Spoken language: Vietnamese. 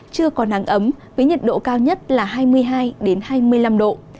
chưa có nắng ấm với nhiệt độ cao nhất là hai mươi hai hai mươi năm độ